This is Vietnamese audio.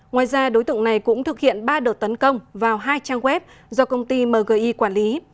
ngoài ra đối tượng này cũng thực hiện ba đợt tấn công vào hai trang web do công ty mgi quản lý